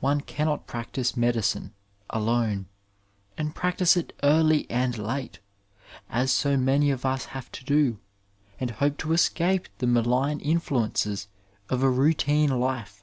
One cannot practise medi 1 cine alone and practise it early and late, as so many of us have to do, and hope to escape the malign influences of a routine life.